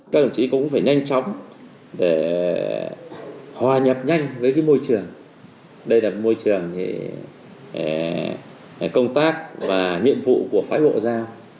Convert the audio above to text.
các đồng chí cũng phải nhanh chóng để hòa nhập nhanh với môi trường đây là môi trường để công tác và nhiệm vụ của phái bộ giao